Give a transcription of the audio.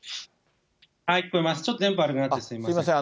ちょっと電波悪くなってすみません。